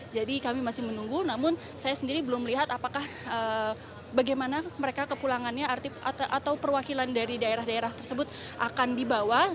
jadi kami masih menunggu namun saya sendiri belum melihat apakah bagaimana mereka kepulangannya atau perwakilan dari daerah daerah tersebut akan dibawa